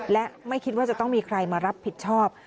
และไม่คิดว่าจะต้องมีใครมารับผิดชอบ